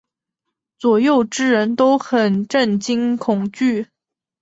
左右之人都很震惊恐惧。